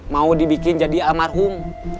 mau dibikin jadi amargum